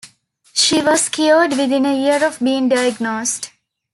She was cured within a year of being diagnosed.